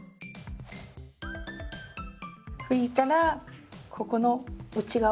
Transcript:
拭いたらここの内側。